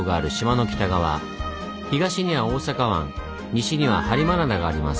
東には大阪湾西には播磨灘があります。